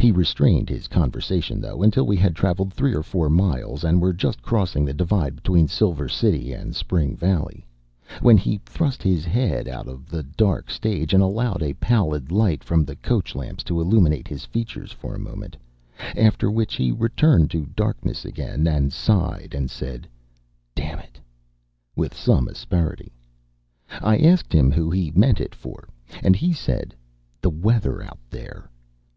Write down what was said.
He restrained his conversation, though, until we had traveled three or four miles, and were just crossing the divide between Silver City and Spring Valley, when he thrust his head out of the dark stage, and allowed a pallid light from the coach lamps to illuminate his features for a moment, after which he returned to darkness again, and sighed and said, "Damn it!" with some asperity. I asked him who he meant it for, and he said, "The weather out there."